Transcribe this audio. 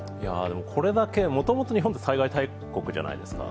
これだけ、もともと日本って災害大国じゃないですか。